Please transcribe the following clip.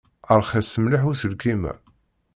Rxis mliḥ uselkim-a.